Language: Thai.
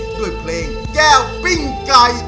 ด้วยเพลงแก้วปิ้งไก่